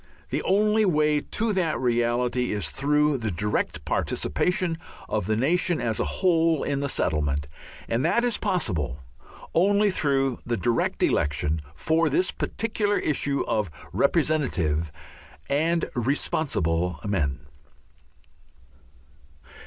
The only way to that reality is through the direct participation of the nation as a whole in the settlement, and that is possible only through the direct election for this particular issue of representative and responsible men.